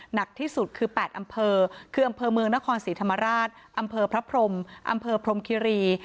หนักที่สุดคือ๘อำเภอคืออำเภอเมืองนครศรีธรรมราชอำเภอพระพรมอำเภอพรมคิรี